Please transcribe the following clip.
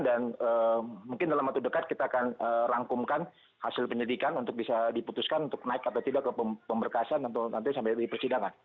dan mungkin dalam waktu dekat kita akan rangkumkan hasil penyelidikan untuk bisa diputuskan untuk naik atau tidak ke pemberkasan atau nanti sampai di persidangan